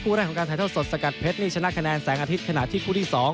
แรกของการถ่ายทอดสดสกัดเพชรนี่ชนะคะแนนแสงอาทิตย์ขณะที่คู่ที่๒